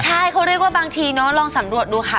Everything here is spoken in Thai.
ใช่เขาเรียกว่าบางทีเนอะลองสำรวจดูค่ะ